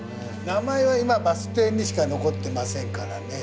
名前は今バス停にしか残ってませんからね。